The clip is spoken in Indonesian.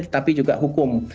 tetapi juga hukum